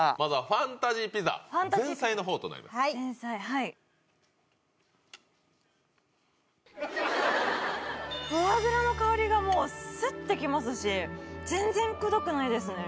フォアグラの香りがもうスッてきますし全然くどくないですね。